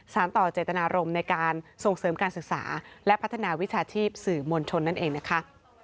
ต่อเจตนารมณ์ในการส่งเสริมการศึกษาและพัฒนาวิชาชีพสื่อมวลชนนั่นเองนะคะ